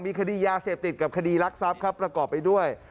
คดียาเสพติดกับคดีรักทรัพย์ครับประกอบไปด้วย